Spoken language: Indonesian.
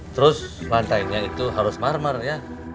terus lantainya itu harus marmer ya